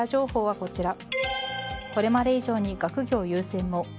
これまで以上に学業優先も。